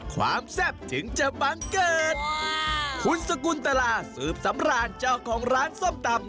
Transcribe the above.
แซ่บถึงจะบังเกิดคุณสกุลตลาสืบสำราญเจ้าของร้านส้มตำ